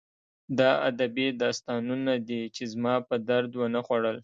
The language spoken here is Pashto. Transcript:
دا ادبي داستانونه دي چې زما په درد ونه خوړل